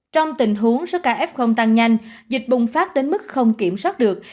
trong tình huống số ca f tăng nhanh dịch bùng phát đến mức không kiểm soát được